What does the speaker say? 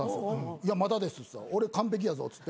いやまだですっつったら「俺完璧やぞ」っつって。